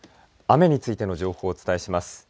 雨についての情報をお伝えします。